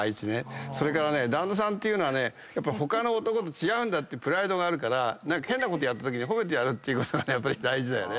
それからね旦那さんってやっぱ他の男と違うんだってプライドがあるから変なことやったときに褒めてやることが大事だよね。